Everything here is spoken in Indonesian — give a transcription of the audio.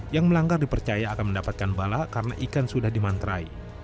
yang melanggar dipercaya akan mendapatkan bala karena ikan sudah dimantrai